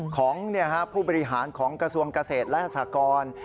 ของผู้บริหารของกระทรวงเกษตรและสากร